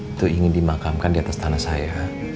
itu ingin dimakamkan di atas tanah saya